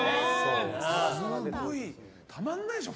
すごい。たまらないでしょ